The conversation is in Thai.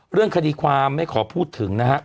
เรื่องคดีความไม่ขอพูดถึงนะฮะ